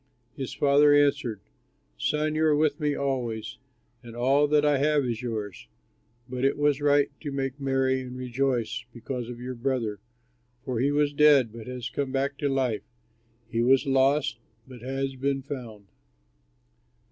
His father answered, 'Son, you are with me always and all that I have is yours; but it was right to make merry and rejoice because of your brother, for he was dead but has come back to life, he was lost but has been found.'"